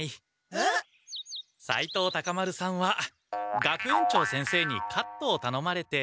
丸さんは学園長先生にカットをたのまれて。